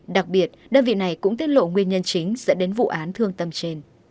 đặc biệt đơn vị này cũng tiết lộ nguyên nhân chính dẫn đến vụ án thương tâm trên